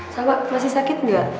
sahabat masih sakit gak